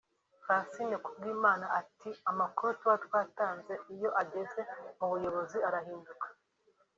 Francine Kubwimana ati “Amakuru tuba twatanze iyo ageze mu buyobozi barayahindura